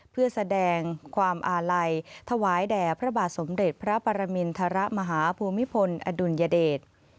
เพื่อแสดงความอาลัยถวายแด่พระบาทสมเด็จพระปรมินทรมาฮภูมิพลอดุลยเดช